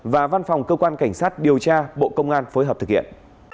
và văn phòng cơ quan cảnh sát điều tra bộ công an phối hợp thực hiện